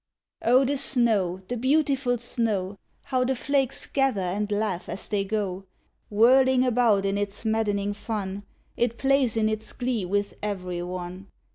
O the snow, the beautiful snow! How the flakes gather and laugh as they go! Whirling about in its maddening fun, It plays in its glee with every one.